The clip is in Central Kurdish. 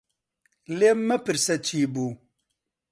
لێم مەپرسە چی بوو.